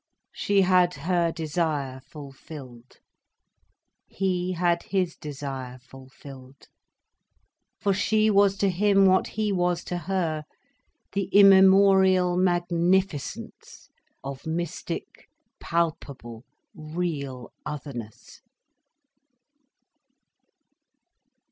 She had her desire fulfilled. He had his desire fulfilled. For she was to him what he was to her, the immemorial magnificence of mystic, palpable, real otherness.